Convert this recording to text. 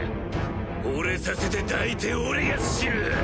惚れさせて抱いて俺が死ぬ。